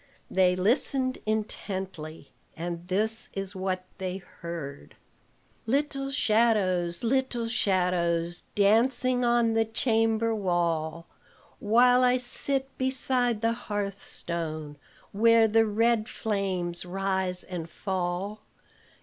They listened intently, and this is what they heard: "Little shadows, little shadows, Dancing on the chamber wall, While I sit beside the hearthstone Where the red flames rise and fall.